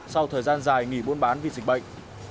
sau thời gian dài nghỉ buôn bán vì dịch bệnh